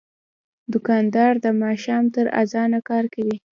دوکاندار د ماښام تر اذانه کار کوي.